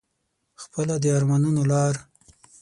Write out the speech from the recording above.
خپله د ارمانونو لار